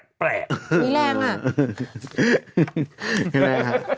นี่แรงอะ